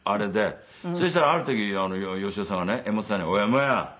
そしたらある時芳雄さんがね柄本さんに「おいえもやん。